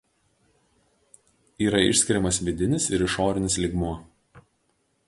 Yra išskiriamas vidinis ir išorinis lygmuo.